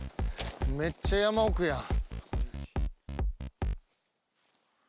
めっちゃ山奥やん。